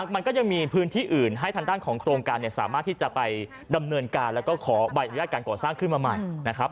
มันก็ยังมีพื้นที่อื่นให้ทางด้านของโครงการสามารถที่จะไปดำเนินการแล้วก็ขอใบอนุญาตการก่อสร้างขึ้นมาใหม่นะครับ